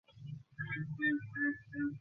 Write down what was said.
জন, তোমার সমস্যা কী?